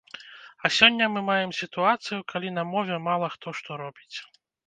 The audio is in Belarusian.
А сёння мы маем сітуацыю, калі на мове мала хто што робіць.